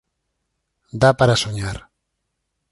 Dá para soñar.